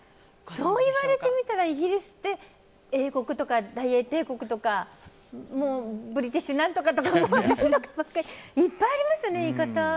そういわれてみたらイギリスって英国とか大英帝国とかブリティッシュ何とかとかいっぱいありますよね、言い方。